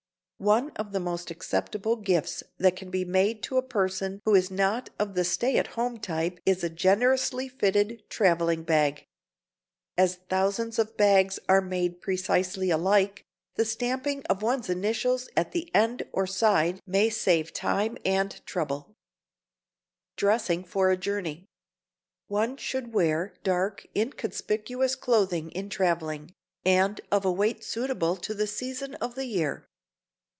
One of the most acceptable gifts that can be made to a person who is not of the stay at home type is a generously fitted traveling bag. As thousands of bags are made precisely alike, the stamping of one's initials at the end or side may save time and trouble. [Sidenote: DRESSING FOR A JOURNEY] One should wear dark inconspicuous clothing in traveling, and of a weight suitable to the season of the year.